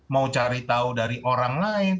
mau cari tahu dari orang lain